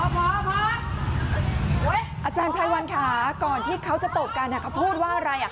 อาจารย์ไพรวันค่ะก่อนที่เขาจะตบกันเขาพูดว่าอะไรอ่ะ